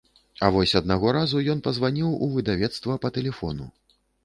А вось аднаго разу ён пазваніў у выдавецтва па тэлефону.